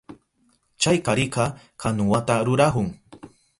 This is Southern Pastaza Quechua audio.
Chay karika kanuwata rurahun.